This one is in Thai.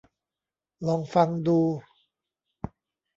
ลองฟังดู